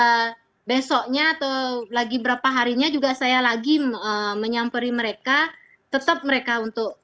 ya besoknya atau lagi berapa harinya juga saya lagi menyamperi mereka tetap mereka untuk